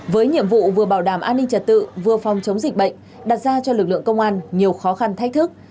với nhiệm vụ vừa bảo đảm an ninh trật tự vừa phòng chống dịch bệnh đặt ra cho lực lượng công an nhiều khó khăn thách thức